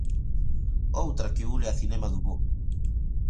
Outra que ule a cinema do bo.